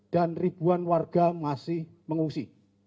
dan ribuan warga masih mengungsi